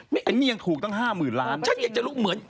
อย่างถูกตั้ง๕๐๐๐๐ล้าน